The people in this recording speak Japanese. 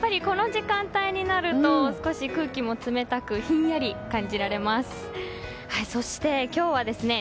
この時間帯になると少し空気も冷たくひんやり感じられます。